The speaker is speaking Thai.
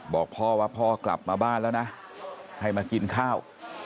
บอกพ่อว่าพ่อกลับมาบ้านแล้วนะให้มากินข้าว